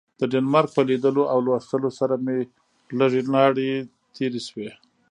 د ډنمارک په لیدلو او لوستلو سره مې لږې لاړې تیرې شوې.